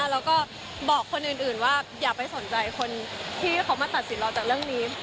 แล้วก็บอกคนอื่นว่าอย่าไปสนใจคนที่เขามาตัดสินเราจากเรื่องนี้